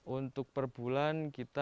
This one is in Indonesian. untuk perbulan kita